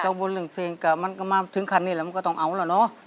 กังบลหนึ่งเพลงกล่าวมันก็มาถึงคันนี้แล้วมันก็ต้องเอาเหรอเนาะ